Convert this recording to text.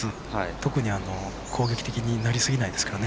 特に攻撃的になり過ぎないですからね。